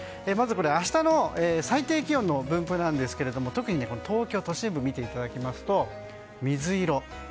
まずこれ、明日の最低気温の分布なんですけれども特に東京都心部を見ますと水色。